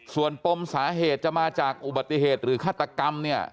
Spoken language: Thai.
ส่วนปมสาเหตุจะมาจากอุบัติเหตุหรือฆาตกรรมเนี่ย